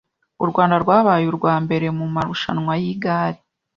U Rwanda rwabaye u rwambere mu marushwana yigare